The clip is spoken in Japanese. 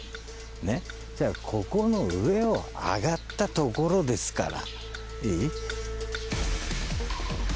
ねっじゃあここの上を上がったところですからいい？